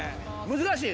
難しい？